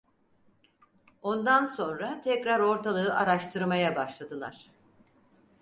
Ondan sonra tekrar ortalığı araştırmaya başladılar.